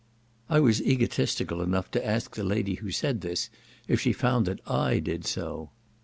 I was egotistical enough to ask the lady who said this, if she found that I did so.